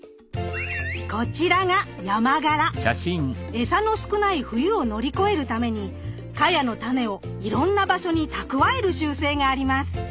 エサの少ない冬を乗り越えるためにカヤのタネをいろんな場所に蓄える習性があります。